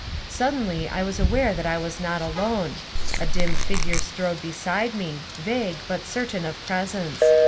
Suddenly I was aware that I was not alone. A dim figure strode beside me, vague, but certain of presence.